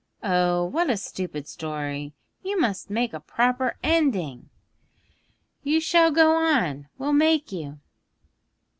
'Oh, what a stupid story! You must make a proper ending.' 'You shall go on! we'll make you!'